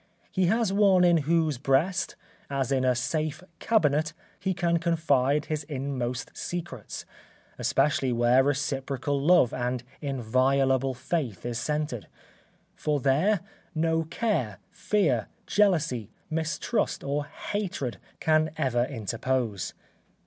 He has one in whose breast, as in a safe cabinet, he can confide his inmost secrets, especially where reciprocal love and inviolable faith is centred; for there no care, fear, jealousy, mistrust or hatred can ever interpose.